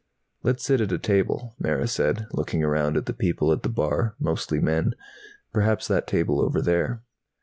"Let's sit at a table," Mara said, looking around at the people at the bar, mostly men. "Perhaps that table over there."